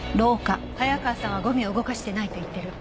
早川さんはゴミを動かしてないと言っている。